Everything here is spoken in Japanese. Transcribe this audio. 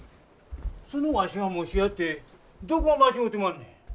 そのわしが喪主やってどこが間違うてまんねん。